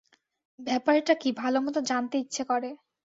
ব্যাপারটা কী, ভালোমতো জানতে ইচ্ছে করে।